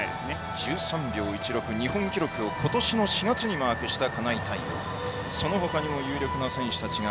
１３秒１６、日本記録をことしの４月にマークした金井。